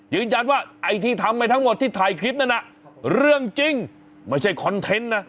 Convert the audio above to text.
ยืนยันว่าไอที่ทำใหม่ทั้งหมดที่ถ่ายคลิปนั่นน่ะเรื่องจริงไม่ใช่คอนเทนต์น่ะ